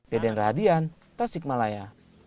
deden radian tasikmalaya